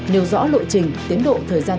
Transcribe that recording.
nêu rõ lộ trình tiến độ thời gian